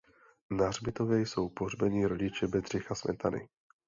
Na hřbitově jsou pohřbeni rodiče Bedřicha Smetany.